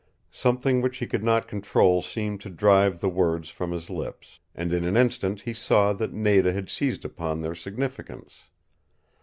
Something which he could not control seemed to drive the words from his lips, and in an instant he saw that Nada had seized upon their significance.